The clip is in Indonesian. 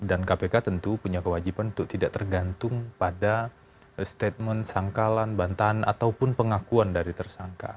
dan kpk tentu punya kewajiban untuk tidak tergantung pada statement sangkalan bantahan ataupun pengakuan dari tersangka